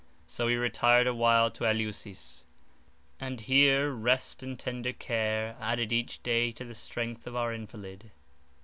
So we retired awhile to Eleusis, and here rest and tender care added each day to the strength of our invalid.